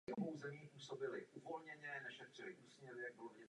Chtěl bych vyjádřit svůj jednoznačný nesouhlas s takovými akcemi.